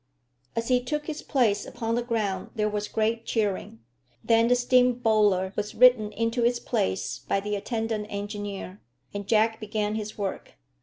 As he took his place upon the ground there was great cheering. Then the steam bowler was ridden into its place by the attendant engineer, and Jack began his work.